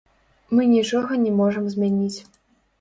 Мы нічога не можам змяніць.